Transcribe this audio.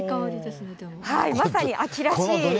まさに秋らしい。